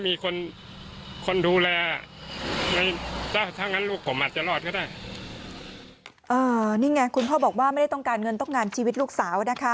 นี่ไงคุณพ่อบอกว่าไม่ได้ต้องการเงินต้องการชีวิตลูกสาวนะคะ